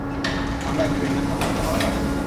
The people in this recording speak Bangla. আমরা এখনই বের হলে দোকান বন্ধ হওয়ার আগেই পৌঁছে যাব।